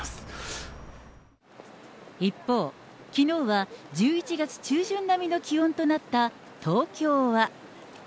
一方、きのうは１１月中旬並みの気温となった東京は。